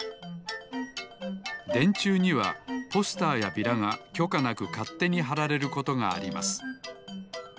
でんちゅうにはポスターやビラがきょかなくかってにはられることがあります